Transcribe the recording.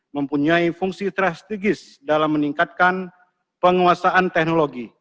mempunyai fungsi strategis dalam meningkatkan penguasaan teknologi